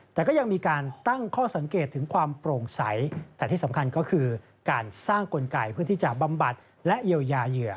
แต่ก็ยังมีการตั้งข้อสังเกตถึงความโปร่งใสแต่ที่สำคัญก็คือการสร้างกลไกเพื่อที่จะบำบัดและเยียวยาเหยื่อ